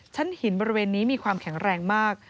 หินบริเวณนี้มีความแข็งแรงมาก